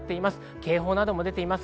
警報なども出ています。